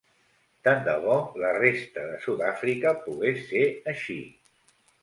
Tant de bo la resta de Sud-àfrica pogués ser així.